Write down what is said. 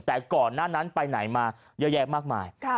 แต่ก่อนหน้านั้นไปไหนมาเยอะแยะมากมาย